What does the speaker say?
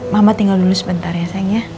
mama tinggal dulu sebentar ya sayang ya